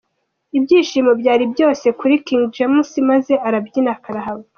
Ibyishimo byari byose kuri King James maze arabyina karahava.